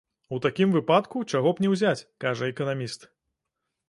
У такім выпадку чаго б не ўзяць, кажа эканаміст.